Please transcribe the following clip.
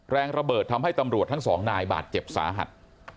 แรงระเบิดทำให้ตำรวจทั้งสองนายบาดเจ็บสาหัส